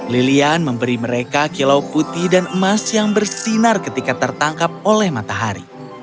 lilian memberi mereka kilau putih dan emas yang bersinar ketika tertangkap oleh matahari